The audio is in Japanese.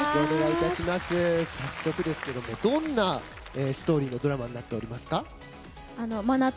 早速ですけどもどんなストーリーのドラマになっておりますか？